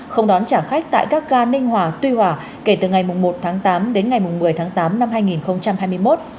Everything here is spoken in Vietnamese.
không đón trả khách tại các ca ninh hòa tuy hòa kể từ ngày một tháng tám đến ngày một mươi tháng tám năm hai nghìn hai mươi một